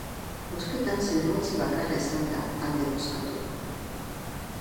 Bozketan zinegotzi bakarra izan da alde bozkatu duena.